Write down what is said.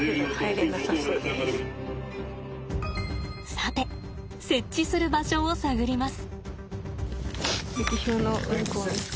さて設置する場所を探ります。